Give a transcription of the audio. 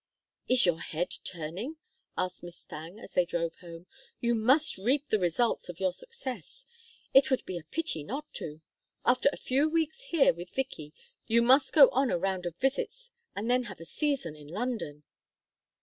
"Is your head turning?" asked Miss Thangue, as they drove home. "You must reap the results of your success; it would be a pity not to. After a few weeks here with Vicky you must go on a round of visits and then have a season in London."